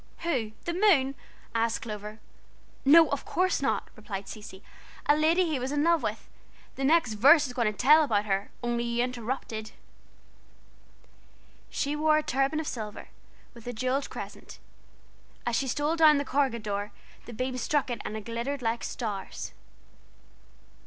"Who, the moon?" asked Clover. "No, of course not," replied Cecy, "a lady he was in love with. The next verse is going to tell about her, only you interrupted. "She wore a turban of silver, with a jewelled crescent. As she stole down the corregidor the beams struck it and it glittered like stars.